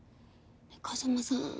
風真さん